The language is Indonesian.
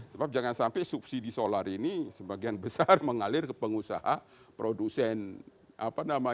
sebab jangan sampai subsidi solar ini sebagian besar mengalir ke pengusaha produsen apa namanya